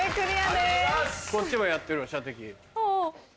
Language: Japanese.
こっちもやってるわ射的。